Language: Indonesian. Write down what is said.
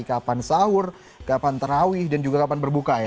kapan sahur kapan terawih dan juga kapan berbuka ya